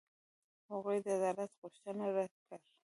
هغوی د عدالت غوښتنه رد کړه.